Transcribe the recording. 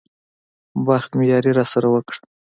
بخت مې ياري راسره وکړه.